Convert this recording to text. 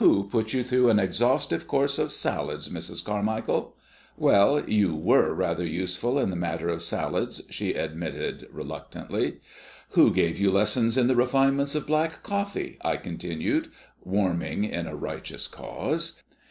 "Who put you through an exhaustive course of salads, Mrs. Carmichael?" "Well, you were rather useful in the matter of salads," she admitted reluctantly. "Who gave you lessons in the refinements of black coffee?" I continued, warming in a righteous cause.